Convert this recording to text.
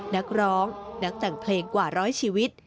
นักร้องนักแต่งเพลงกว่าร้อยชีวิต